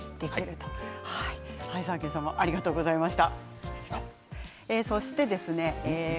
さわけんさんもありがとうございました。